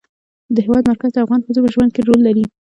د هېواد مرکز د افغان ښځو په ژوند کې رول لري.